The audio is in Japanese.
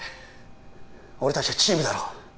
俺達はチームだろ？